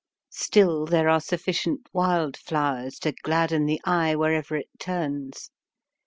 Still there are sufficient wild flowers to gladden the eye wherever it turns.